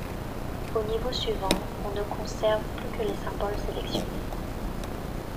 Au niveau suivant, on ne conserve plus que les symboles sélectionnés.